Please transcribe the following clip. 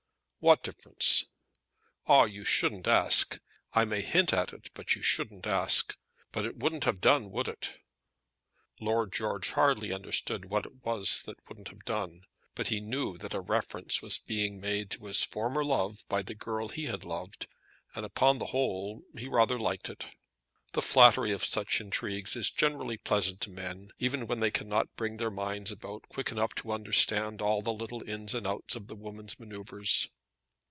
"What difference?" "Ah, you shouldn't ask. I may hint at it, but you shouldn't ask. But it wouldn't have done, would it?" Lord George hardly understood what it was that wouldn't have done; but he knew that a reference was being made to his former love by the girl he had loved; and, upon the whole, he rather liked it. The flattery of such intrigues is generally pleasant to men, even when they cannot bring their minds about quick enough to understand all the little ins and outs of the woman's manoeuvres.